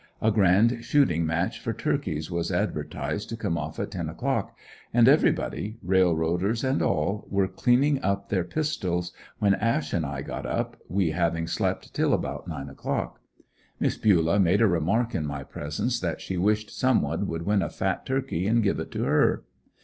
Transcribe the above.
A grand shooting match for turkeys was advertised to come off at ten o'clock, and everybody, railroaders and all, were cleaning up their pistols, when Ash and I got up, we having slept till about nine o'clock. Miss Bulah made a remark, in my presence, that she wished someone would win a fat turkey and give it to her.